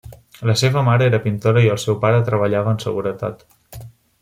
La seva mare era pintora i el seu pare treballava en seguretat.